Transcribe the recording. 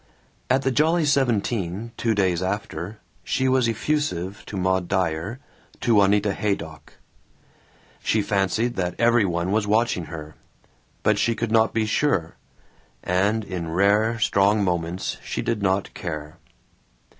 At the Jolly Seventeen, two days after, she was effusive to Maud Dyer, to Juanita Haydock. She fancied that every one was watching her, but she could not be sure, and in rare strong moments she did not care.